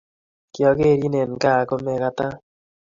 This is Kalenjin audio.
Kiakeren en gaa ako mekatan